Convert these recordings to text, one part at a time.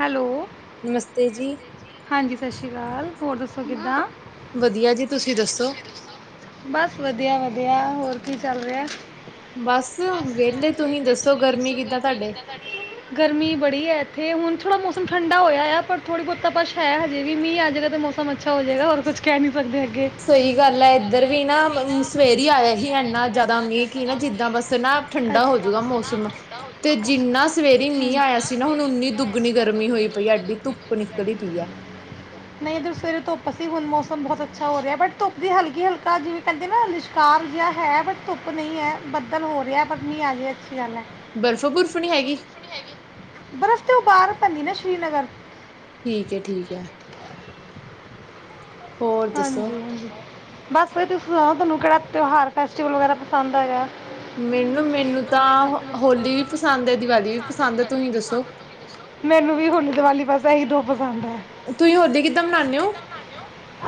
Hello ਨਮਸਤੇ ਜੀ ਹਾਂਜੀ ਸਤਿ ਸ਼੍ਰੀ ਅਕਾਲ ਹੋਰ ਦੱਸੋ ਕਿੱਦਾਂ ਵਧੀਆ ਜੀ ਤੁਸੀਂ ਦੱਸੋ ਬਸ ਵਧੀਆ ਵਧੀਆ ਹੋਰ ਕੀ ਚੱਲ ਰਿਹਾ ਬਸ ਵੇਹਲੇ ਤੁਸੀਂ ਦੱਸੋ ਗਰਮੀ ਕਿੱਦਾਂ ਤੁਹਾਡੇ ਗਰਮੀ ਬੜੀ ਹੈ ਇੱਥੇ ਹੁਣ ਥੋੜ੍ਹਾ ਮੌਸਮ ਠੰਡਾ ਹੋਇਆ ਆ ਪਰ ਥੋੜ੍ਹੀ ਬਹੁਤੀ ਬਸ਼ ਹੈ ਹਜੇ ਵੀ ਮੀਂਹ ਆ ਜਾਗੇ ਤਾਂ ਮੌਸਮ ਅੱਛਾ ਹੋ ਜਾਏਗਾ ਹੋਰ ਕੁੱਛ ਕਹਿ ਨੀ ਸਹੀ ਗੱਲ ਹੈ ਇੱਧਰ ਵੀ ਨਾ ਸਵੇਰੀ ਆਇਆ ਹੀ ਇਨਾ ਜ਼ਿਆਦਾ ਮੀਂਹ ਕੀ ਨਾ ਜਿੱਦਾਂ ਬਸ ਨਾ ਅੱਛਾ ਠੰਡਾ ਹੋਜੂਗਾ ਮੌਸਮ ਤੇ ਜਿੰਨਾ ਸਵੇਰੀ ਮੀਂਹ ਆਇਆ ਸੀ ਨਾ ਹੁਣ ਓਨੀ ਦੁੱਗਣੀ ਗਰਮੀ ਹੋਈ ਪਈ ਹੈ ਐਡੀ ਧੁੱਪ ਨਿਕਲੀ ਪਈ ਐ ਨਹੀਂ ਸਵੇਰੇ ਧੁੱਪ ਸੀ ਹੁਣ ਮੌਸਮ ਬਹੁਤ ਅੱਛਾ ਹੋ ਨਹੀਂ ਇਧਰ ਸਵੇਰੇ ਧੁੱਪ ਬਟ ਧੁੱਪ ਸੀ ਹੁਣ ਮੌਸਮ ਬਹੁਤ ਅੱਛਾ ਹੋ ਰਹਾ ਬਟ ਧੁੱਪ ਵੀ ਹਲਕੀ ਹਲਕਾ ਜਿਵੇਂ ਕਹਿੰਦੇ ਨਾ ਲਿਸ਼ਕਰ ਜਾ ਹੈ ਬਟ ਧੁੱਪ ਨਹੀਂ ਹੈ ਬੱਦਲ ਹੋ ਰਿਹਾ ਪਰ ਮੀਂਹ ਆਜੇ ਅੱਛੀ ਗੱਲ ਹੈ ਬਰਫ਼ ਬੁਰਫ਼ ਨਹੀਂ ਹੈਗੀ ਬਰਫ਼ ਤੇ ਉਹ ਬਾਹਰ ਪੈਂਦੀ ਨਾ ਸ਼੍ਰੀਨਗਰ ਠੀਕ ਹੈ ਠੀਕ ਹੈ ਹੋਰ ਦੱਸੋ? ਹਾਂਜੀ ਹਾਂਜੀ ਬਸ ਤੁਸੀਂ ਐ ਤੁਹਾਨੂੰ ਕਿਹੜਾ ਤਿਉਹਾਰ ਫੈਸਟੀਵਲ ਵਗੈਰਾ ਪਸੰਦ ਹੈਗਾ। ਮੈਨੂੰ ਮੈਨੂੰ ਤਾਂ ਹੋਲੀ ਵੀ ਪਸੰਦ ਹੈ ਦੀਵਾਲੀ ਵੀ ਪਸੰਦ ਹੈ ਤੁਸੀਂ ਦੱਸੋ? ਮੈਨੂੰ ਵੀ ਹੁਣ ਦੀਵਾਲੀ ਪ ਇਹ, [unintelligible] ਤੁਸੀਂ ਹੋਰਦੇ ਕਿੱਦਾਂ ਮਨਾਨੇ ਔ, [unintelligible]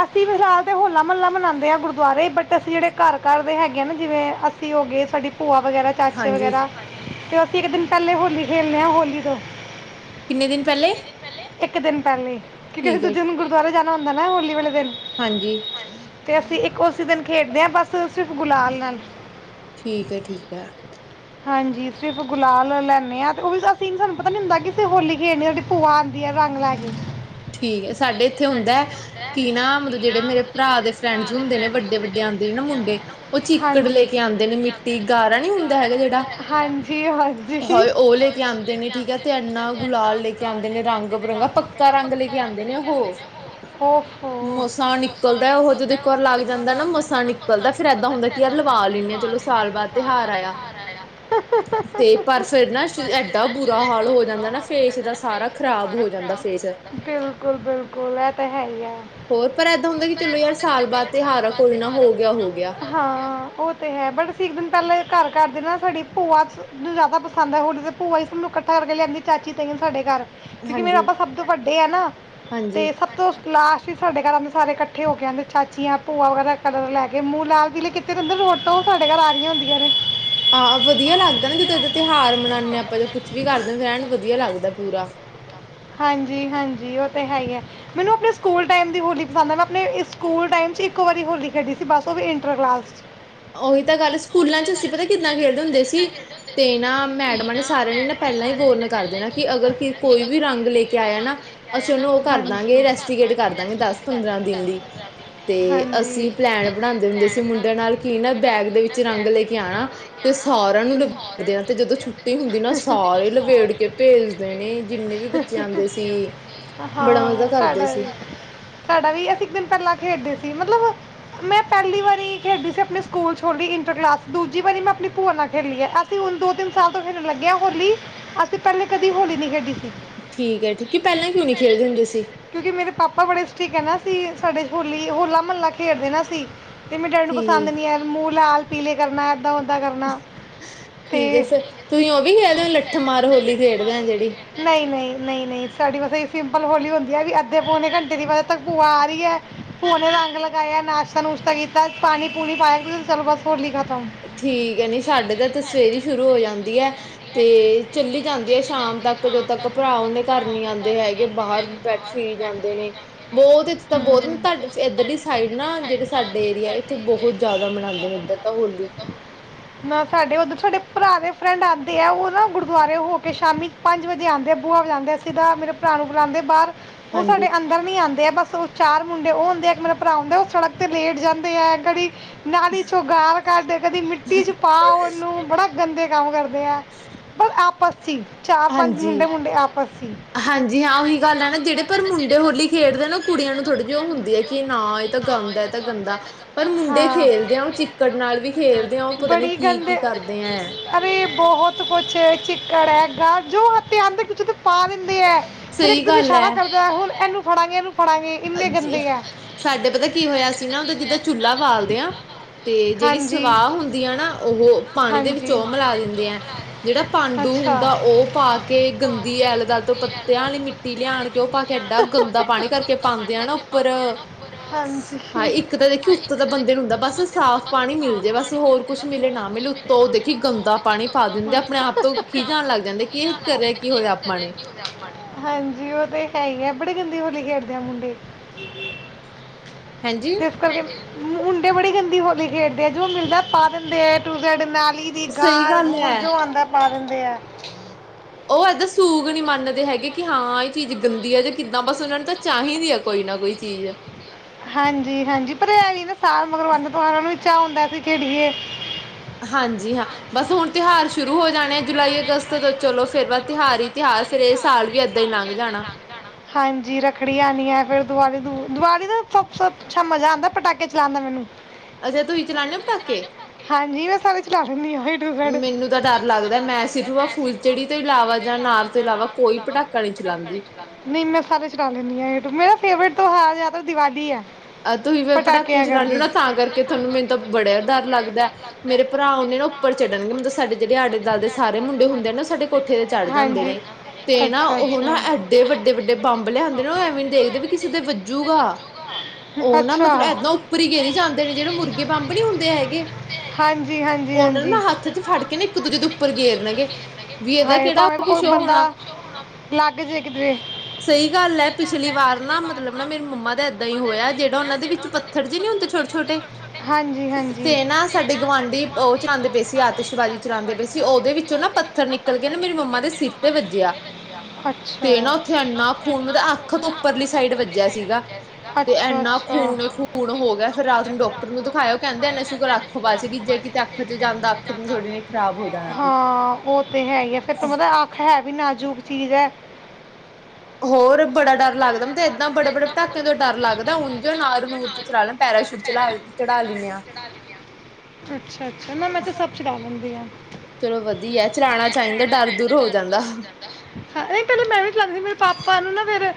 ਅਸੀਂ ਫਿਲਹਾਲ ਤੇ ਹੋਲਾ ਮਹੱਲਾ ਮਨਾਦੇ ਹਾਂ ਗੁਰਦੁਆਰੇ ਬਟ ਅਸੀਂ ਜਿਹੜੇ ਘਰ-ਘਰ ਦੇ ਹੈਗੇ ਆ ਨਾ ਜਿਵੇਂ ਅਸੀਂ ਹੋ ਗਏ ਸਾਡੀ ਭੂਆ ਵਗੈਰਾ ਚਾਚੇ ਹਾਂਜੀ ਵਗੈਰਾ ਤੇ ਇੱਕ ਦਿਨ ਪਹਿਲੇ ਹੋਲੀ ਖੇਡਣੇ ਹਾਂ ਹੋਲੀ ਤੋਂ ਕਿੰਨੇ ਦਿਨ ਪਹਿਲੇ ਇੱਕ ਦਿਨ ਪਹਿਲ਼ੇ ਕਿ ਅੇ ਠੀਕ ਹੈ ਦੂਜੇ ਨੂੰ ਗੁਰਦੁਆਰੇ ਜਾਣਾ। [unintelligible] ਬਨਦਾ ਨਾ ਹੋਲੀ ਵੇਲੇ [unintelligible] ਹਾਂਜੀ ਅਤੇ ਅਸੀਂ ਇੱਕ ਉਸ ਦਿਨ ਖੇਡਦੇ ਹਾਂ ਬਸ ਸਿਰਫ ਗੁਲਾਲ ਨਾਲ ਠੀਕ ਹੈ ਠੀਕ ਆ ਹਾਂਜੀ ਸਿਰਫ ਗੁਲਾਲ ਲੈਂਦੇ ਹਾਂ ਤੇ ਉਹ ਅਸੀਂ ਸਾਨੂੰ ਪਤਾ ਨੀ ਹੁੰਦਾ ਕਿ ਅਸੀਂ ਹੋਲੀ ਖੇਡਣੀ ਭੂਆ ਆਉਂਦੀ ਹੈ ਰੰਗ ਲੈ ਕੇ ਠੀਕ ਹੈ ਸਾਡੇ ਇੱਥੇ ਹੁੰਦਾ ਹੈ ਕਿ ਨਾ ਮਤਲਬ ਜਿਹੜੇ ਮੇਰੇ ਭਰਾ ਦੇ ਫਰੈਂਡਸ ਹੁੰਦੇ ਨੇ ਵੱਡੇ-ਵੱਡੇ ਆਉਂਦੇ ਨੇ ਨਾ ਮੁੰਡੇ ਉਹ ਚੀਕੜ ਹਾਂਜੀ। ਲੈ ਕੇ ਆਉਂਦੇ ਨੇ ਮਿੱਟੀ ਗਾਰਾ ਨੀ ਹੁੰਦਾ ਹੈਗਾ ਜਿਹੜਾ ਹਾਂਜੀ ਹਾਂਜੀ ਹਾਏ ਉਹ ਲੈ ਕੇ ਆਉਦੇ ਨੇ ਠੀਕ ਹੈ ਤੇ ਐਨਾ ਗੁਲਾਲ ਲੈ ਕੇ ਆਉਦੇ ਨੇ ਰੰਗ ਬਿਰੰਗਾ ਪੱਕਾ ਰੰਗ ਲੈ ਆਦੇ ਨੇ ਉਹ ਓਫੋ ਮਸਾ ਨਿਕਲਦਾ ਉਹ ਜਦੋਂ ਇੱਕ ਵਾਰ ਲੱਗ ਜਾਂਦਾ ਨਾ ਮੋਸਾ ਨਿਕਲਦਾ ਫਿਰ ਏਦਾਂ ਹੁੰਦਾ ਕਿ ਯਾਰ ਲਵਾ ਲੈਂਦੇ ਆ ਚਲੋ ਸਾਲ ਬਾਅਦ ਤਿਉਹਾਰ ਆਇਆ। [unintelligible] ਤੇ ਪਰ ਪਰ ਨਾ ਫਿਰ ਐਡਾ ਬੁਰਾ ਨਾ ਹਾਲ ਦਾਂ ਹੋ ਬੁਰਾ ਜਾਂਦਾ ਨਾ ਹਾਲ ਹੋ ਫੇਸ ਜਾਂਦਾ ਦਾ ਨਾ ਸਾਰਾ ਫੇਸ ਸਾਰਾ ਜਾਂਦਾ ਖ਼ਰਾਬ ਹੋ ਫੇਸ ਜਾਂਦਾ। [unintelligible] ਬਿਲਕੁਲ ਬਿਲਕੁਲ ਇਹ ਤਾਂ ਹੈ ਹੀ ਆ ਹੋਰ ਪਰ ਏਦਾਂ ਹੁੰਦਾ ਕਿ ਚਲੋ ਯਾਰ ਸਾਲ ਬਾਅਦ ਤਿਉਹਾਰ ਆ ਕੋਈ ਨਾ ਹੋ ਗਿਆ ਹੋ ਗਿਆ ਹਾਂ ਉਹ ਤੇ ਹੈ ਵੀ ਅਸੀ ਇੱਕ ਦਿਨ ਪਹਿਲੇ ਘਰ ਕਰਦੇ ਨਾ ਸਾਡੀ [unintelligible] ਭੂਆ ਆਦਾ ਪਸੰਦ ਹੈ ਹੋਲੀ ਤੇ ਭੂਆ ਹੀ ਸਾਨੂੰ ਇਕੱਠਾ ਕਰਕੇ ਲਿਆਂਦੀ ਚਾਚੀ ਤਾਈ ਸਾਡੇ ਘਰ, [unintelligible] ਕਿਉਂਕਿ ਮੇਰੇ ਹਾਂਜੀ ਆਪਾਂ ਸਭ ਤੋਂ ਵੱਡੇ ਆ ਨਾ ਹਾਂਜੀ ਤੇ ਸਭ ਤੋਂ ਲਾਸਟ ਸਾਡੇ ਘਰ ਆਂਦੇ ਸਾਰੇ ਇਕੱਠੇ ਹੋ ਕੇ ਆਂਦੇ ਚਾਚੀਆਂ ਭੂਆ ਵਗੈਰਾ ਕਲਰ ਲੈ ਕੇ ਮੂੰਹ ਲਾਲ ਪੀਲੇ ਕੀਤੇ ਰੋਡ ਤੋਂ ਸਾਡੇ ਘਰ ਆ ਰਹੀਆਂ ਹੁੰਦੀਆਂ ਨੇ। [unintelligible] ਆਹ ਵਧੀਆ ਲੱਗਦਾ ਨਾ ਜਿੱਦੋਂ ਇਹ ਤਿਉਹਾਰ ਮਨਾਦੇ ਹਾਂ ਆਪਾਂ ਜਾ ਕੁਛ ਵੀ ਕਰਦੇ ਹਾ ਫਿਰ ਵਧੀਆ ਲੱਗਦਾ ਪੂਰਾ ਹਾਂਜੀ ਹਾਂਜੀ ਉਹ ਤੇ ਹੈ ਹੀ ਆ ਮੈਨੂੰ ਆਪਣੇ ਸਕੂਲ ਟਾਈਮ ਦੀ ਹੋਲੀ ਪਸੰਦ ਆ ਮੈਂ ਆਪਣੇ ਸਕੂਲ ਟਾਈਮ ਇਕੋ ਵਾਰੀ ਹੋਲੀ ਖੇਡੀ ਸੀ ਬਸ ਉਹ ਇੰਟਰ ਕਲਾਸ ਚ ਉਹੀ ਤਾਂ ਗੱਲ ਸਕੂਲਾਂ ਚ ਅਸੀਂ ਪਤਾ ਕਿੱਦਾਂ ਖੇਡਦੇ ਹੁੰਦੇ ਸੀ। ਤੇ ਨਾ ਮੈਡਮਾਂ ਨੇ ਸਾਰਿਆਂ ਨੇ ਨਾ ਪਹਿਲਾਂ ਹੀ ਵਾਰਨ ਕਰ ਦੇਨਾ ਕਿ ਅਗਰ ਕੋਈ ਵੀ ਰੰਗ ਲੈ ਕੇ ਆਇਆ ਨਾ ਅਸੀਂ ਉਹਨੂੰ ਰੈਸਟੀਗੇਟ ਕਰਦਾਂਗੇ ਦਸ ਪੰਦਰਾਂ ਦਿਨ ਲਈ ਤੇ ਅਸੀਂ ਪਲੈਨ ਬਣਾਦੇ ਹੁੰਦੇ ਸੀ ਮੁੰਡਿਆਂ ਨਾਲ ਬੈਗ ਦੇ ਵਿੱਚ ਰੰਗ ਲੈ ਕੇ ਆਣਾ ਤੇ ਸਾਰਿਆਂ ਨੂੰ ਲਾ ਦੇਣਾ ਤੇ ਜਦੋਂ ਹੁੰਦੀ ਨਾ ਸਾਰੇ ਲਵੇੇੜ ਕੇ ਭੇਜਦੇ ਨੇ ਜਿੰਨੇ ਵੀ ਬੱਚੇ ਆਉਂਦੇ ਸੀ ਬੜਾ ਮਜਾ ਹਾਂ ਕਰਦੇ ਸਾਡਾ ਸੀ। ਵੀ ਸਾਡਾ ਵੀ ਅਸੀਂ ਇੱਕ ਦਿਨ ਪਹਿਲਾਂ ਖੇਡਦੇ ਸੀ ਮਤਲਬ ਮੈਂ ਪਹਿਲੀ ਵਾਰੀ ਖੇਡੀ ਸੀ ਆਪਣੀ ਸਕੂਲ ਛੋਟੀ ਇੰਟਰ ਕਲਾਸ ਦੂਜੀ ਵਾਰੀ ਮੈਂ ਆਪਣੀ ਭੂਆ ਨਾਲ ਖੇਡੀ ਹਾ ਅਸੀਂ ਹੁਣ ਦੋ ਤਿੰਨ ਸਾਲ ਤੋਂ ਖੇਡਣ ਲੱਗੇ ਆ ਹੋਲੀ ਅਸੀਂ ਪਹਿਲੇ ਕਦੀ ਹੋਲੀ ਨੀ ਖੇਡੀ, ਸੀ ਠੀਕ ਹੈ ਠੀਕ ਪਹਿਲਾਂ ਕਿਉ ਨੀ ਖੇਲਦੇ ਹੁੰਦੇ ਸੀ। ਕਿਉਂਕਿ ਮੇਰੇ ਪਾਪਾ ਬੜੇ [unintelligible] ਸਾਡੇ ਹੋਲੀ ਹੋਲਾ ਮਹੱਲਾ ਖੇਡਦੇ ਨਾ ਅਸੀ। ਤੇ ਮੇਰੇ ਡੈਡੀ ਨੂੰ ਪਸੰਦ ਠੀਕ ਨਹੀਂ ਹੈ ਮੂੰਹ ਲਾਲ ਪੀਲੇ ਕਰਨਾ ਏਦਾ [unintelligible] ਕਰਨਾ ਤੇ ਤੁਹੀਂ ਉਹ ਵੀ ਖੇਲਦੇਓ ਲੱਠ ਮਾਰ ਹੋਲੀ ਖੇਡਦੇ ਆ ਜਿਹੜੀ। ਨਹੀਂ ਨਹੀਂ ਨਹੀਂ ਨਹੀਂ ਸਾਡੀ ਬਸ ਇਹੀ ਸਿੰਪਲ ਹੋਲੀ ਹੁੰਦੀ ਹੈ ਵੀ ਅੱਧੇ ਪੌਣੇ ਘੰਟੇ ਦੀ ਵਜੇ ਤੱਕ ਪੁੂਆ ਆ ਰਹੀ ਹੈ ਪੂਆ ਨੇ ਰੰਗ ਲਗਾਇਆ ਨਾਸ਼ਤਾ ਨੂਸ਼ਤਾ ਕੀਤਾ ਪਾਣੀ ਪੂਣੀ ਪਾਇਆ ਚਲੋ ਬਸ ਹੋਲੀ ਖਤਮ ਠੀਕ ਹੈ ਨੀ ਸਾਡੇ ਤਾਂ ਇਥੇ ਸਵੇਰ ਹੀ ਸ਼ੁਰੂ ਹੋ ਜਾਂ [unintelligible] ਤੇ ਚੱਲੀ ਜਾਂਦੀ ਹੈ ਸ਼ਾਮ ਤੱਕ ਜਦੋਂ ਤੱਕ ਭਰਾ ਉਹਨੇ ਘਰ ਨੀ ਆਂਦੇ ਹੈਗੇ ਬਾਹਰ ਬੈਠ ਫਿਰੀ ਜਾਂਦੇ ਨੇ ਬਹੁਤ ਇੱਥੇ ਤਾਂ ਬਹੁਤ ਹਮ ਤੁਹਾਡੇ ਚ ਇੱਧਰਲੀ ਦੀ ਸਾਈਡ ਨਾ ਜਿਹੜੇ ਸਾਡੇ ਏਰੀਆ ਇੱਥੇ ਬਹੁਤ ਜ਼ਿਆਦਾ ਮਨਾਂਦੇ ਨੇ ਇੱਧਰ ਤਾਂ ਹੋਲੀ। ਨਾ ਸਾਡੇ ਉੱਧਰ ਤਹੁਡੇ ਭਰਾ ਦੇ ਫਰੈਂਡ ਆਂਦੇ ਆ ਉਹ ਨਾ ਗੁਰਦੁਆਰੇ ਹੋ ਤੇ ਸ਼ਾਮੀ ਪੰਜ ਵਜੇ ਆਂਦੇ ਐ ਬੂਆ ਵਜਾਂਦੇ ਅਸੀ ਤਾਂ ਮੇਰੇ ਭਰਾ ਨੂੰ ਬੁਲਾਉਂਦੇ ਬਾਹਰ ਉਹ ਹਾਂਜੀ ਸਾਡੇ ਅੰਦਰ ਨੀ ਆਂਦੇ ਆ ਬਸ ਉਹ ਚਾਰ ਮੁੰਡੇ ਉਹ ਹੁੰਦੇ ਆ ਇੱਕ ਮੇਰਾ ਭਰਾ ਹੁੰਦਾ ਉਹ ਸੜਕ ਤੇ ਲੇਟ ਜਾਂਦੇ ਆ ਗੜੀ ਨਾਲੀ ਚੋ ਗਾਲ ਕੱਢ ਕਦੀ ਮਿੱਟੀ ਚ ਓਨੂੰ ਬੜਾ ਗੰਦੇ ਕੰਮ ਕਰ [unintelligible] ਪਰ ਆਪ ਹਾਂਜੀ ਆਪਸ 'ਚ ਹੀ ਹਾਂਜੀ ਹਾਂ ਉਹੀ ਗੱਲ ਹੈ ਨਾ ਜਿਹੜੇ ਪਰ ਮੁੰਡੇ ਹੋਲੀ ਖੇਡਦੇ ਨਾ ਉਹ ਕੁੜੀਆਂ ਨੂੰ ਥੋੜੀ [unintelligible] ਹੁੰਦੀ ਹੈ ਕਿ ਨਾ ਇਹ ਤਾਂ ਗੰਦ ਇਹ ਤਾਂ ਗੰਦਾ ਪਰ ਮੁੰਡੇ ਹਾਂ। ਖੇਲਦੇ ਆ ਉਹ ਚਿੱਕੜ ਨਾਲ ਵੀ ਖੇਲਦੇ ਆ ਉਹ ਪਤਾ ਨੀ ਬੜੀ ਕੀ ਗੰਦੇ ਕੀ ਕਰਦੇ ਐ। ਅਰੇ ਬਹੁਤ ਕੁਛ [unintelligible] ਜੋ ਹੱਥੇ ਆਉਂਦੇ ਕੁਝ ਓਤੇ ਪਾ ਦਿੰਦੇ ਹੈ। ਫੇਰ ਇੱਕ ਸਹੀ ਦਿਨ ਇਸ਼ਾਰਾ ਕਰਦਾ ਹੁਣ ਇਹਨੂੰ ਥੋੜਾ ਵੀ ਇਹ ਜ ਸਾਡੇ ਪਤਾ ਕੀ ਹੋਇਆ ਸੀ ਨਾ ਉਹਦਾ ਜਿੱਦਾਂ ਚੁੱਲ੍ਹਾ ਬਾਲਦੇ ਹਾਂ ਤੇ ਜਿਹੜੀ ਹਾਂਜੀ। ਸਵਾਹ ਹੁੰਦੀ ਆ ਨਾ ਉਹੋ ਪਾਣੀ ਦੇ ਹਾਂਜੀ। ਵਿੱਚ ਉਹ ਮਿਲਾ ਦਿੰਦੇ ਐ ਜਿਹੜਾ ਪਾਂਡ ਅੱਛਾ। ਹੁੰਦਾ ਉਹ ਪਾ ਕੇ ਗੰਦੀ ਐਲ ਦਲ ਤੋਂ ਪੱਤਿਆਂ ਮਿੱਟੀ ਲਿਆਣ ਕੇ ਉਹ ਪਾ ਕੇ ਐਏਡਾ ਗੰਦਾ ਪਾਣੀ ਕਰਕੇ। ਪਾਉਂਦੇ ਆ ਨਾ ਉੱਪਰ ਹਾਂ ਹਾਂਜੀ। ਇੱਕ ਤਾਂ ਦੇਖੀ ਉੱਤੋਂ ਦਾ ਬੰਦੇ ਨੂੰ ਹੁੰਦਾ ਬਸ ਸਾਫ਼ ਪਾਣੀ ਮਿਲਜੇ ਬਸ ਹੋਰ ਕੁਛ ਮਿਲੇ ਨਾ ਮਿਲੇ ਉੱਤੋਂ ਓਹ ਦੇਖੀ ਗੰਦਾ ਪਾਣੀ ਪਾ ਦਿੰਦੇ ਆਪਣੇ ਆਪ ਤੋਂ ਖੀਜ ਆਣ ਲੱਗ ਜਾਂਦੇ ਕੀ ਇਹ ਕਰਿਆ ਕੀ ਹੋਇਆ ਆਪਾਂ ਨੇ। ਹਾਂਜੀ ਉਹ ਤੇ ਹੈ ਹੀ ਹੈ ਬੜੇ ਗੰਦੀ ਹੋਲੀ ਖੇਡਦੇ ਆ ਮੁੰਡੇ। ਹਾਂਜੀ ਤੇ ਇਸ ਕਰਕ ਮੁੰਡੇ ਬੜੀ ਗੰਦੀ ਹੋਲੀ ਖੇਡਦੇ ਆ ਜੋ ਮਿਲਦਾ ਪਾ ਦਿੰਦੇ ਏ ਟੂ ਜੈਡ ਨਾ [unintelligible] ਦੀ ਸਹੀ ਗਾਰ ਗੱਲ ਵੂਰ ਹੈ ਜੋ ਆਂਦਾ ਪਾ ਦਿੰਦੇ ਐ। ਉਹ ਏਦਾ ਸੂਗ ਨਹੀਂ ਮੰਨਦੇ ਹੈਗੇ ਕਿ ਹਾਂ ਇਹ ਚੀਜ਼ ਗੰਦੀ ਹੈ ਜੇ ਕਿੱਦਾਂ ਬਸ ਉਹਨਾਂ ਨੇ ਤਾਂ। ਚਾਹੀਦੀ ਆ ਕੋਈ ਨਾ ਕੋਈ ਚੀਜ਼ ਹਾਂਜੀ ਹਾਂਜੀ ਭਰਿਆ ਵੀ ਸਾਲ ਨੂੰ ਵੀ ਚਾਹ ਹੁੰਦਾ ਅਸੀਂ ਖੇਡੀਏ। ਹਾਂਜੀ ਹਾਂ, ਬਸ ਹੁਣ ਤਿਉਹਾਰ ਸ਼ੁਰੂ ਹੋ ਜਾਣੇ ਆ ਜੁਲਾਈ ਅਗਸਤ ਤੋਂ ਚਲੋ ਫੇਰ ਬਸ ਤਿਉਹਾਰ ਹੀ ਤਿਉਹਾਰ ਫੇਰ ਇਹ ਸਾਲ ਵੀ ਏਦਾਂ ਹੀ ਲੰਘ ਜਾਣਾ। ਹਾਂਜੀ ਰੱਖੜੀ ਆਉਣੀ ਹੈ ਫਿਰ ਦੀਵਾਲੀ ਦੁ, ਦੀਵਾਲੀ ਦਾ ਸਭ ਤੋਂ ਅੱਛਾ ਮਜ਼ਾ ਆਉਂਦਾ ਪਟਾਕੇ ਚਲਾਉਣ ਦਾ ਮੈਨੂੰ। ਅਜੇ ਤੋਂ ਹੀ ਚਲਾਉਨੇ ਨੇ ਪੱਟਾਕੇ ਹਾਂਜੀ ਮੈਂ ਸਾਰੇ ਚਲਾ ਲੈਦੀ ਹਾਂ, ੲ ਟੂ ਜੇ਼ਡ। ਮੈਨੂੰ ਤਾਂ ਡਰ ਲੱਗਦਾ ਮੈਂ ਸਿਰਫ ਆ ਫੁਲਚੜੀ ਤੋਂ ਇਲਾਵਾ ਜਾਂ ਅਨਾਰ ਤੋਂ ਇਲਾਵਾ ਕੋਈ ਪਟਾਕਾ ਨਹੀਂ ਚਲਾਉਂਦੀ। ਨਹੀਂ ਮੈਂ ਸਾਰੇ ਚਲਾ ਲੈਦੀ ਹਾਂ, ਏ ਟੂਰ ਮੈਂ ਫੇਵਰੇਟ ਤਉਹਾਰ ਜ਼ਿਆਦਾ ਦੀਵਾਲੀ ਏ। ਆਹ ਤੁਸੀਂ ਫੇਰ ਪਟਾਕੇ ਚਲਾਉਦੇ ਨਾ ਤਾਂ ਕਰਕੇ ਤੁਹਾਨੂੰ, ਮੈਨੂੰ ਤਾਂ ਬੜੇਆ ਡਰ ਲੱਗਦਾ। ਮੇਰੇ ਭਰਾ ਉਹਨੇ ਨਾ ਉੱਪਰ ਚੜਨਗੇ ਮਤਲਬ ਸਾਡੇ ਜਿਹੜੇ ਆਲੇ ਦੁਆਲੇ ਦੇ ਸਾਰੇ ਮੁੰਡੇ ਹੁੰਦੇ ਨਾ ਉਹ ਸਾਡੇ ਕੋਠੇ ਦੇ ਚੜ੍ਹ ਜਾਂਦੇ ਨੇ, ਤੇ ਨਾ ਉਹ ਨਾ ਐਡੇ ਵੱਡੇ ਵੱਡੇ ਬੰਬ ਲਿਆਦੇ ਨੇ ਉਹ ਐਵੇਂ ਨੀ ਦੇਖਦੇ ਵੀ ਕਿਸੇ ਦੇ ਵੱਜੂਗਾ। ਉਹ ਨਾ ਮਤਲਬ ਏਦਾਂ ਉਪਰ ਹੀ ਗੇਰੀ ਜਾਂਦੇ ਨੇ ਜਿਹੜੇ ਮੁਰਗੇ ਬੰਬ ਨੀ ਹੁੰਦੇ ਹੈਗੇ। ਹਾਂਜੀ ਹਾਂਜੀ ਉਹਨਾ ਹਾਂਜੀ ਨੂੰ ਹੱਥ ਚ ਫੜ ਕੇ ਨਾ ਇੱਕ ਦੂਜੇ ਦੇ ਉੱਪਰ ਗੇਰਨਗੇ, ਵੀ ਇਹਦਾ ਹਾਏ ਕਿਹੜਾ ਭਾਵੇਂ ਕੁਛ ਹੋਣਾ ਲੱਗ ਜੇ ਕਿਤੇ ਸਹੀ ਗੱਲ ਹੈ ਪਿਛਲੀ ਵਾਰ ਨਾ ਮਤਲਬ ਨਾ ਮੇਰੀ ਮੰਮਾ ਦਾ ਏਦਾਂ ਹੀ ਹੋਇਆ ਜਿਹੜਾ ਉਹਨਾਂ ਦੇ ਵਿੱਚ ਪੱਥਰ ਜੇ ਨਹੀ ਹੁੰਦੇ ਛੋਟੇ ਛੋਟੇ, ਹਾਂਜੀ ਹਾਂਜੀ ਤੇ ਨਾ ਸਾਡੇ ਗੁਆਂਢੀ ਉਹ ਚਲਾਉਂਦੇ ਪਏ ਸੀ ਆਤਿਸ਼ਬਾਜ਼ੀ ਚਲਾਉਂਦੇ ਪਏ ਸੀ ਉਹਦੇ ਵਿੱਚੋਂ ਨਾ ਪੱਥਰ ਨਿਕਲ ਕੇ ਨਾ ਮੇਰੀ ਮੰਮਾ ਦੇ ਸਿਰ ਤੇ ਵੱਜਿਆ, ਅੱਛਾ ਤੇ ਨਾ ਉੱਥੇ ਇੰਨਾ ਖੂਨ ਮ ਅੱਖ ਤੋਂ ਉਪਰਲੀ ਸਾਈਡ ਵੱਜਿਆ ਸੀਗਾ ਤੇ ਏਣਾ ਖੂਨ ਹੀ ਖੂਨ ਹੋ ਗਿਆ ਫਿਰ ਰਾਤ ਨੂੰ ਡਾਕਟਰ ਨੂੰ ਦਿਖਾਯਾ, ਔ ਕਹਿੰਦੇ ਊਣਾ ਸੁ਼ ਅੱਖ ਥੋੜੀ ਨੇ ਖ਼ਰਾਬ ਹੋ ਜਾਣਾ ਸੀ ਹਾਂ ਉਹ ਤੇ ਹੈ ਈ ਆ, ਫਿਰ ਤੁਹਾਨੂੰ ਪਤਾ ਅੱਖ ਏ ਵੀ ਨਾਜ਼ੁਕ ਚੀਜ਼ ਏ। ਹੋਰ ਬੜਾ ਡਰ ਲੱਗਦਾ ਮੈਨੂੰ ਤੇ, ਏਦਾਂ ਬੜੇ ਬੜੇ ਪਟਾਕੇਿਆਂ ਤੋਂ ਡਰ ਲੱਗਦਾ ਉਂਝ ਨਾਰ ਨੂਰ ਤੇ ਚਲਾ ਲੈ ਪੈਰਾਸ਼ੂਟ ਚਲਾ ਚੜ੍ਹਾ ਲੈਂਦੇ ਆ। ਅੱਛਾ ਅੱਛਾ ਨਾ ਮੈਂ ਤਾਂ ਸਭ ਚਲਾ ਲੈਂਦੀ ਹਾਂ ਚਲੋ ਵਧੀਆ ਚਲਾਉਣਾ ਚਾਹੀਦਾ ਡਰ ਦੂਰ ਹੋ ਜਾਂਦਾ। ਪਰ ਨਾ ਫੇਰ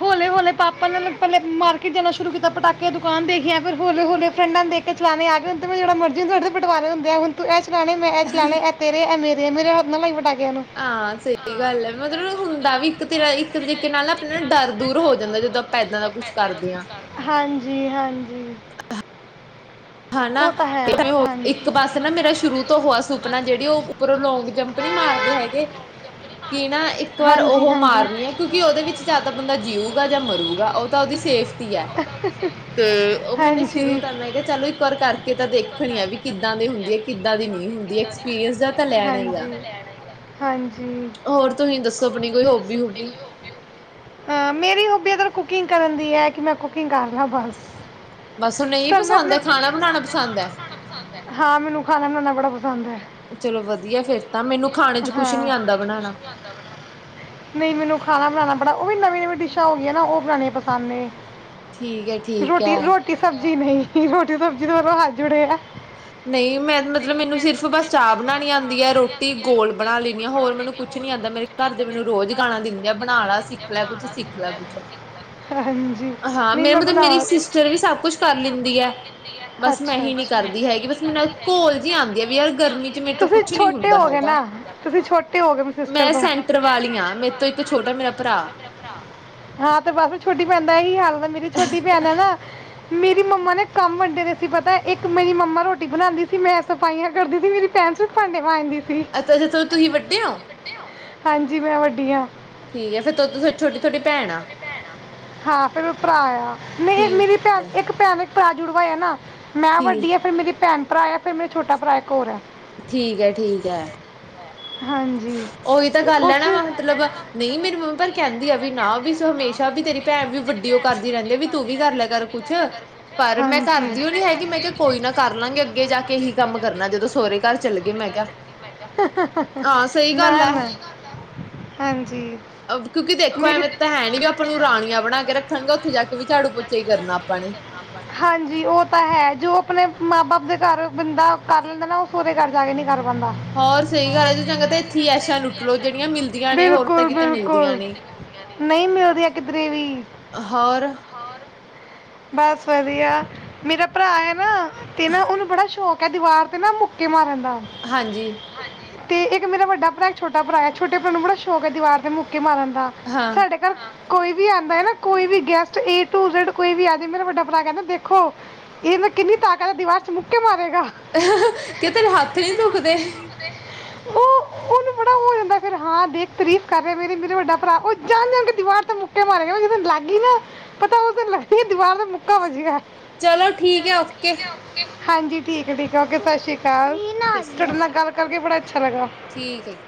ਹੋਲੇ ਹਲੇ ਪਾਪਾ ਨੇ ਪਹਿਲੇ ਮਾਰਕੀਟ ਜਾਣਾ ਸ਼ੁਰੂ ਕੀਤਾ। ਪਟਾਕੇ ਦੀ ਦੁਕਾਨ ਦੇਖੀਆਂ, ਫਿਰ ਹਲੇ ਹੋਲੇ ਫਰੈਂਡਾਂ ਨੂੰ ਦੇਖ ਕੇ ਚਲਾਣੇ ਆ ਗਏ ਹੁਣ ਤਾਂ ਮੈਂ ਜੇੜੇ ਮਰਜ਼ੀ ਦੇ ਦੋ, ਬਟਵਾਰੇ ਹੁੰਦੇ ਏ, ਹੁਣ ਤੂੰ ਏ ਣੇ ਮੈ ਏ ਚਲਾਣੇ, ਏ ਤੇਰੇ, ਏ ਮੇਰੇ ਤੇ ਮੇਰੇ ਹਥ ਨਾ ਲਗਾਈ ਪਟਾ ਹਾਂ ਸਹੀ ਗੱਲ ਹੈ, ਮਤਲਬ ਹੁੰਦਾ ਵੀ ਇੱਕ ਤੇ ਇੱਕ ਤਰੀਕੇ ਨਾਲ ਅਪ ਡਰ ਦੂਰ ਹੋ ਜਾਂਦਾ, ਜਦੋਂ ਆਪਾਂ ਇੱਦਾਂ ਦਾ ਕੁੱਛ ਕਰਦੇ ਹਾਂ। ਹਾਂਜੀ ਹਾਂਜੀ। ਹੈਨਾ, ਉਹ ਤਾਂ ਹੈ ਤੇ ਇੱਕ ਬਸ ਨਾ ਮੇਰਾ ਸ਼ੁਰੂ ਤੋਂ ਹੋਆ ਸੁਪਨਾ ਜਿਹੜੀ ਉਹ ਉਪਰੋਂ ਲੋਂਂਗ ਜੰਪ ਨੀ ਮਾਰਦੇ ਹੈਗੇ, ਕਿ ਨਾ ਇੱਕ ਵਾਰ ਹਾਂਜੀ ਤੇ ਉਹ ਹਾਂਜੀ ਮਾਰਨੀ ਆ ਕਿਉਂਕਿ ਉਹਦੇ ਵਿੱਚ ਜਿਆਦਾ ਬੰਦਾ ਜਿਊਗਾ ਜਾਂ ਮਰੂਗਾ ਉਹ ਤਾਂ ਉਹਦੀ ਸੇਫਟੀ ਹੈ, ਤੇ ਉਹ ਮੈਨੇ ਸ਼ੁਰੂ ਤਾਂ ਮੈਂ ਕਿਹਾ ਚਲੋ ਵਾਰ ਕਰਕੇ ਤਾਂ ਦੇਖਣੀ ਆ ਵੀ ਕਿੱਦਾਂ ਦੀ ਹੁੰਦੀ ਆ, ਕਿੱਦਾਂ ਦੀ ਨਹੀਂ ਹੁੰਦੀ, ਐਕਸਪੀਰੀਅੰਸ ਜਾ ਤਾਂ ਲੈਣਾ ਹੀ ਹਾਂਜੀ। ਆ। ਹਾਂਜੀ। ਹੋਰ ਤੁਸੀਂ ਦੱਸੋ ਆਪਣੀ ਕੋਈ ਹੋਬੀ ਹੂਬੀ। ਅਹ ਮੇਰੀ ਹੌਬੀ ਅਦਰ ਕੁਕਿੰਗ ਕਰਨ ਦੀ ਹੈ ਕਿ ਮੈਂ ਕੁਕਿੰਗ ਕਰ ਰਲਾ ਬਸ। ਬਸ ਨਹੀਂ ਤੁਹਾਨੂੰ ਮੈਂ ਪਸੰਦ ਆਪਣੇ ਐ ਖਾਣਾ ਬਨਾਨਾ ਹਾਂ ਮੈਨੂੰ ਖਾਨਾ ਚਲੋ ਵਧੀਆ ਫੇਰ ਤਾਂ ਮੈਨੂੰ ਖਾਣੇ ਚ [unintelligible] ਕੁਛ ਨੀ ਹਾਂ ਆਉਂਦਾ ਬਣਾਉਣਾ ਨਹੀਂ ਮੈਨੂੰ ਖਾਨਾ ਬਨਾਨਾ ਣਾ ਉਹ ਵੀ ਨਵੀਂ ਨਵੀਂ ਡਿਸ਼ਾਂ ਹੋ ਗਈਆਂ ਨਾ ਉਹ ਬਨਾਨੀ ਪਸੰਦ ਨੇ। ਠੀਕ ਏ ਠੀਕ ਐ। ਜੀ ਨਹੀਂ ਰੋਟੀ ਤਾਂ [unintelligible] ਨਹੀਂ ਮੈਂ ਮਤਲਬ ਮੈਨੂੰ ਸਿਰਫ ਬਸ ਚਾਹ ਬਨਾਨੀ ਆਂਦੀ ਐ ਰੋਟੀ ਗੋਲ ਬਣਾ ਲੈਂਦੀ ਆ ਹੋਰ ਮੈਨੂੰ ਕੁਛ ਨੀ ਆਂਦਾ ਮੇਰੇ ਘਰ ਦੇ ਮੈਨੂੰ ਰੋਜ਼ ਗਾਲਾ ਦਿੰਦੇ ਆ ਬਣਾ ਲਾ ਸਿੱਖ ਲੈ ਕੁਛ ਸਿੱਖ ਲੈ ਕੁਛ ਹਾਂਜੀ ਹਾਂ ਨਹੀਂ ਮੇ ਮੈਂ ਮਤਲਬ ਬਣਾ ਮੇਰੀ ਸਿਸਟਰ ਵੀ ਸਭ ਕੁਛ ਕਰ ਲੈਂਦੀ ਐ ਬਸ ਮੈਂ ਅੱਛਾ ਹੀ ਨੀ ਅੱਛਾ ਕਰਦੀ ਹੈਗੀ ਬਸ ਮੇਰੇ ਘੋਲ ਜੀ ਆਨਂਦੀ ਆ ਵੀ ਯਾਰ ਗਰਮੀ ਚ ਮੇਰੇ ਤੋਂ ਤੁਸੀਂ ਕੁਛ ਨੀ ਛੋਟੇ ਹੁੰਦਾ ਹੋ ਗਏ ਹੈਗਾ। ਨਾ ਤੁਸੀਂ ਛੋਟੇ ਹੋ ਗਏ ਮੇਰੀ ਸਿਸਟਰ ਮੈਂ ਤੋਂ ਸੈਂਟਰ ਵਾਲੀ ਆਂ ਮੇਰੇ ਤੋਂ ਇੱਕ ਛੋਟਾ ਮੇਰਾ ਭਰਾ। ਹਾਂ ਤੇ ਬਸ ਛੋਟੀ ਭੈਣ ਦਾ ਇਹੀ ਹਾਲ ਮੇਰੀ ਛੋਟੀ ਭੈਨ ਹੈ ਨਾ ਮੇਰੀ ਮੰਮਾ ਨੇ ਕੰਮ ਵੰਡੇ ਦੇ ਸੀ ਪਤਾ ਇੱਕ ਮੇਰੀ ਮੰਮਾ ਰੋਟੀ ਬਨਾਂਦੀ ਸੀ ਮੈਂ ਸਫਾਈਆਂ ਕਰਦੀ ਸੀ ਮੇਰੀ ਭੈਨ ਸੀਰਫ ਭਾਂਡੇ ਮਾਂਜ ਦੀ ਸੀ। ਅੱਛਾ ਜਥ ਤੁਹੀ ਵੱਡੇ ੳ? ਹਾਂਜੀ ਮੈਂ ਵੱਡੀ ਹਾਂ। ਫੇਰ ਛੋਟੀ ਤੁਹਾਡੀ ਭੈਣ ਆ ਹਾਂ ਫਿਰ ਮੇਰਾ ਭਰਾ ਆ ਨਹੀ ਠੀਕ ਮੇਰੀ ਭੈਨ ਹੈ ਇੱਕ ਭੈਨ ਭਰਾ ਜੁੜਵਾ ਏ ਨਾ। ਮੈਂ ਵੱਡੀ ਠੀਕ ਆ ਫੇਰ ਮੇਰੀ ਭੈਨ ਭਰਾਆ ਫੇਰ ਮੇਰੇ ਛੋਟਾ ਭਰਾ ਇੱਕ ਹੋਰ ਐ। ਠੀਕ ਏ ਠੀਕ ਐ। ਹਾਂਜੀ ਉਹੀ ਤਾਂ ਤੇ ਗੱਲ ਏ ਉਸ ਨਾ ਮਤਲਬ ਨਹੀਂ ਮੇਰੀ ਮੰਮੀ ਪਰ ਕਹਿੰਦੀ ਆ ਵੀ ਨਾ ਵੀ ਹਮੇਸ਼ਾ ਵੀ ਤੇਰੀ ਭੈਨ ਵੀ ਵੱਡੀ ਉਹ ਕਰਦੀ ਰਹਿੰਦੀ ਵੀ ਤੂੰ ਵੀ ਕਰ ਲੈ ਕਰ ਕੁਛ। ਪਰ ਮੈਂ ਹਾਂਜੀ ਕਰਦੀਓ ਨੀ ਹੈਗੀ ਮੈਂ ਕਿਹਾ ਕੋਈ ਨਾ ਕਰ ਲਾਂਗੇ ਅੱਗੇ ਜਾ ਕੇ ਇਹੀ ਕੰਮ ਕਰਨਾ ਜਦੋਂ ਸਹੋਰੇ ਘਰ ਚੱਲ ਗਏ ਮੈਂ ਕਿਹਾ ਹਾਂ ਸਹੀ ਗੱਲ ਨਾ ਏ ਨਾ ਕਰਦਾ ਹਾਂਜੀ ਕਿਉਂਕਿ ਦੇਖੋ ਮੇਰੀ ਐਵੇਂ ਤਾਂ ਹੈ ਨੀ ਵੀ ਆਪਾਂ ਨੂੰ ਰਾਣੀਆਂ ਬਣਾ ਕੇ ਰੱਖਣਗੇ। ਉੱਥੇ ਜਾ ਕੇ ਵੀ ਝਾੜੂ ਪੋਚੇ ਹੀ ਕਰਨਾ ਆਪਾਂ ਨੇ। ਹਾਂਜੀ ਉਹ ਤਾਂ ਹੈ ਜੋ ਆਪਨੇ ਮਾਂ ਬਾਪ ਦੇ ਘਰ ਬੰਦਾ ਕਰ ਲੈਂਦਾ ਨਾ ਉਹ ਸੋਹਰੇ ਘਰ ਜਾ ਕੇ ਨੀ ਹੋਰ ਸਹੀ ਗੱਲ ਹੈ ਜੀ ਚੰਗਾ ਤੇ ਇੱਥੇ ਹੀ ਐਸ਼ਾ ਲੁੱਟਲੋ ਜਿਹੜੀਆਂ ਮਿਲਦੀਆਂ ਨੇ ਹੋਰ ਬਿਲਕੁਲ, ਤਾਂ ਕਿਤੇ ਬਿਲਕੁਲ। ਮਿਲਦੀਆਂ ਨੇ। ਨਹੀਂ। ਨਹੀਂ ਮਿਲਦੀਆਂ ਕਿਧਰੇ ਵੀ ਹੋਰ ਬਸ ਵਧੀਆ ਮੇਰਾ ਭਰਾ ਏ ਨਾ ਤੇ ਨਾ ਉਹਨੂੰ ਬੜਾ ਸ਼ੌਕ ਦੀਵਾਰ ਤੇ ਨਾ ਮੁੱਕੇ ਮਾਰਨ [unintelligible] ਹਾਂਜੀ ਅਤੇ ਇੱਕ ਮੇਰਾ ਵੱਡਾ ਭਰਾ ਇੱਕ ਛੋਟਾ ਭਰਾ ਏ ਛੋਟੇ ਭਰਾ ਨੂੰ ਬ੍ੜਾ ਸ਼ੌਕ ਦੀਵਾਰ ਮੁੱਕ ਮਾਰਨ ਦਾ ਹਾਂ ਸਾਡੇ ਘਰ ਕੋਈ ਵੀ ਆਉਂਦਾ ਹੈ ਨਾ ਕੋਈ ਵੀ ਗੈਸਟ ਇਹ [unintelligible] ਕੋਈ ਵੀ ਆਜੇ ਮੇਰਾ ਵੱਡਾ ਭਰਾ ਕਹਿੰਦਾ ਦੇਖੋ ਇਹਨੇ ਕਿੰਨੀ ਤਾਕਤ ਦੀਵਾਰ ਚ ਮੁੱਕੇ ਮਾਰੇਗਾ ਕਿ ਤੇਰੇ ਹੱਥ ਨੀ ਦੁਖਦੇ ਓ ਉਹਨੂੰ ਬੜਾ ਹੋ ਜਾਂਦਾ ਫਿਰ ਹਾਂ ਦੇਖ ਤਰੀਫ਼ ਕਰ ਰਿਆ ਮੇਰੀ ਮੇਰਾ ਵੱਡਾ ਭਰਾ ਓ ਜਾਣ-ਜਾਣ ਕੇ ਦੀਵਾਰ ਤੇ ਮੁੱਕੇ ਮਾਰੇ ਗਾ ਜਿਸ ਦਿਨ ਲੱਗ ਗੀ ਨਾ ਪਤਾ ਉਸ ਦਿਨ ਲੱਗ ਦੀਵਾਰ ਤੇ ਮੁੱਕਾ ਵੱਜਿਆ ਚਲੋ ਠੀਕ ਐ ਓਕੇ ਹਾਂਜੀ ਠੀਕ ਐ ਠੀਕਐ ਓਕੇ ਸਤਿ ਸ਼੍ਰੀ ਕਾਲ, ਸ਼੍ਰੀ ਤੁਹਾਡੀ ਨਾਲ ਅਕਾਲ ਗੱਲ ਕਰਕੇ ਬੜਾ ਅੱਛਾ ਲੱਗਾ। ਠੀਕ ਹੈ